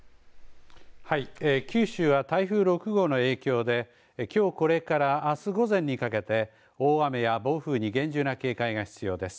はい、九州は台風６号の影響できょうこれからあす午前にかけて大雨や暴風に厳重な警戒が必要です。